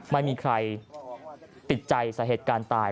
ไม่มีใครติดใจสาเหตุการณ์ตาย